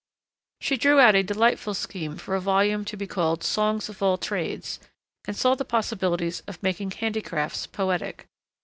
She drew out a delightful scheme for a volume to be called Songs of all Trades and saw the possibilities of making handicrafts poetic.